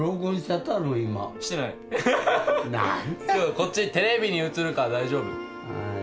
こっちテレビに映るから大丈夫。